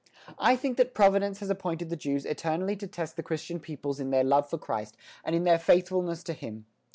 I think that Providence has appointed the Jews eternally to test the Christian peoples in their love for Christ and in their faithfulness to Him.